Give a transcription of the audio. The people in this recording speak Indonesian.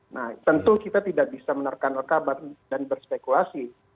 nah tentu kita tidak bisa menerkan kabar dan berspekulasi